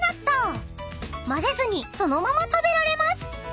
［混ぜずにそのまま食べられます］